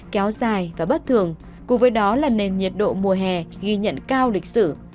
kéo dài và bất thường cùng với đó là nền nhiệt độ mùa hè ghi nhận cao lịch sử